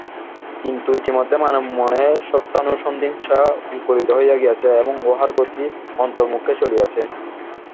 কিন্তু ইতোমধ্যে মানব-মনে সত্যানুসন্ধিৎসা অঙ্কুরিত হইয়া গিয়াছে এবং উহার গতি অন্তর্মুখে চলিয়াছে।